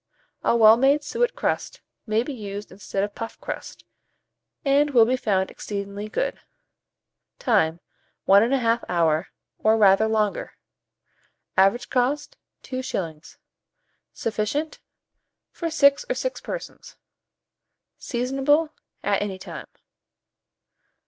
A well made suet crust may be used instead of puff crust, and will be found exceedingly good. Time. 1 1/2 hour, or rather longer. Average cost, 2s. Sufficient for 6 or 6 persons. Seasonable at any time.